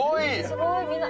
「すごいみんな。